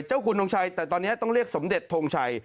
คุณทงชัยแต่ตอนนี้ต้องเรียกสมเด็จทงชัย